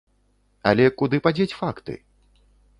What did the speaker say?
Але куды падзець факты?